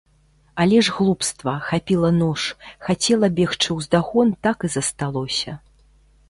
Але ж глупства, хапіла нож, хацела бегчы ўздагон, так і засталося.